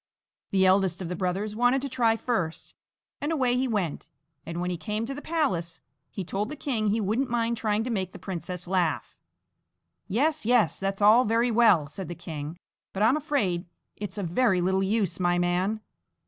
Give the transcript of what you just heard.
The eldest of the brothers wanted to try first, and away he went; and when he came to the palace, he told the king he wouldn't mind trying to make the princess laugh. "Yes, yes! that's all very well," said the king; "but I am afraid it's of very little use, my man.